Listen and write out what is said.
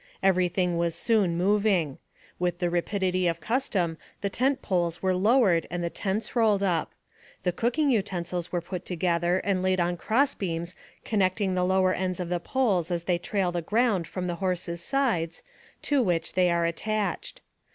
Every thing was soon moving. With the rapidity of custom the tent poles were lowered and the tents rolled up. The cooking utensils were put together, and laid on cross beams connecting the lower ends of the poles as they trail the ground from the horses 7 sides, to which they are attached.